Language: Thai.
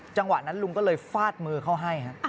จังหวะนั้นลุงก็เลยฟาดมือเขาให้